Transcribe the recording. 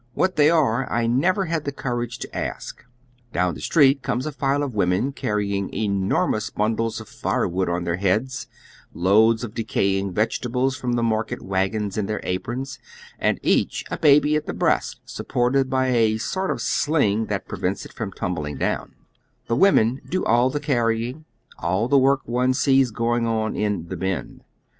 What they are I never had the courage to ask, Down the street comes '"iS" j.Goo'il'' 60 HOW TliK OTHER HALF LIVES. a file of women carrying enormous bmidles of fire wood on tlieir heads, loads of decaying vegetables fi'oin tlie raai"ket wagons in tlieir aprons, and eacli a baby at the breast supported by a sort of sling that prevents it from tumbling down, Tlie women do all the can ying, all the work one sees going on in "the Bend."